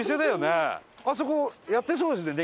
あそこやってそうですね